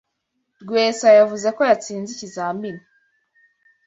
Rwesa yavuze ko yatsinze ikizamini.